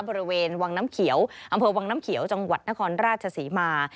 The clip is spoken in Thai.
บริเวณวังน้ำเขียวอำเภอวังน้ำเขียวจังหวัดนครราชศรีมา